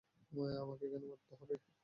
আমাকে কেন মরতে হবে?